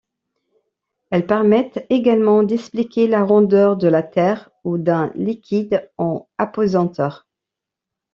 Elles permettent également d'expliquer la rondeur de la Terre ou d'un liquide en apesanteur.